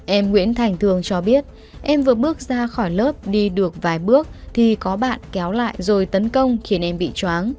em nguyễn thành thường cho biết em vừa bước ra khỏi lớp đi được vài bước thì có bạn kéo lại rồi tấn công khiến em bị chóng